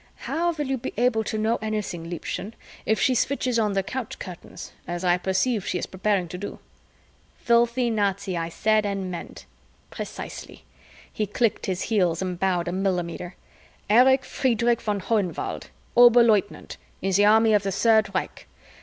"How will you be able to know anything, Liebchen, if she switches on the couch curtains, as I perceive she is preparing to do?" "Filthy Nazi I said and meant." "Precisely." He clicked his heels and bowed a millimeter. "Erich Friederich von Hohenwald, Oberleutnant in the army of the Third Reich.